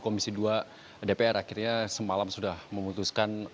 komisi dua dpr akhirnya semalam sudah memutuskan